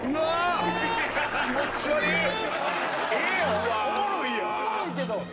おもろいやん。